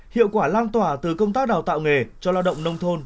hiệu quả lan tỏa từ công tác đào tạo nghề cho lao động nông thôn